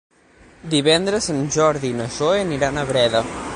Divendres en Jordi i na Zoè aniran a Breda.